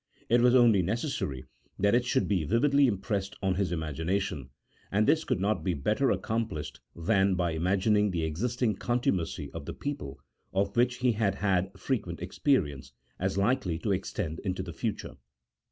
159 it was only necessary that it should be vividly impressed on his imagination, and this conld not be better accom plished than by imagining the existing contumacy of the people, of which he had had frequent experience, as likely to extend into the future.